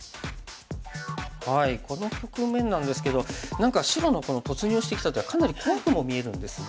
この局面なんですけど何か白のこの突入してきた手はかなり怖くも見えるんですが。